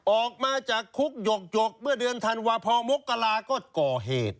ออกมาจากคุกหยกเมื่อเดือนธันวาพอมกราก็ก่อเหตุ